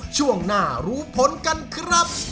ช่วงหน้ารู้ผลกันครับ